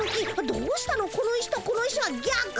どうしたのこの石とこの石はぎゃく。